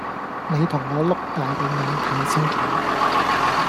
你同我碌大對眼睇清楚